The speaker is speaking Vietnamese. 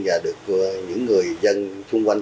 và được những người dân xung quanh